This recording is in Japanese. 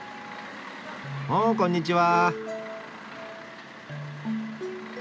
おこんにちは。